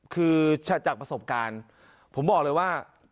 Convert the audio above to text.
คือจากประสบการณ์ผมบอกเลยว่า